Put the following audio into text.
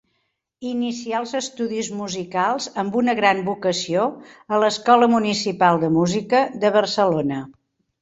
Inicià els estudis musicals amb una gran vocació a l'Escola Municipal de Música de Barcelona.